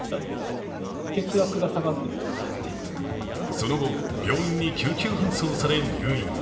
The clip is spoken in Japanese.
その後、病院に救急搬送され入院。